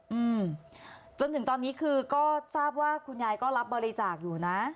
อืมจนถึงตอนนี้คือก็ทราบว่าคุณยายก็รับบริจาคอยู่นะ